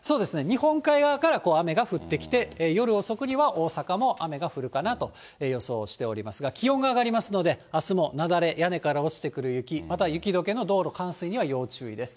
日本海側から雨が降ってきて、夜遅くには、大阪も雨が降るかなと予想しておりますが、気温が上がりますので、あすも雪崩、屋根から落ちてくる雪、また雪どけの道路、冠水には要注意です。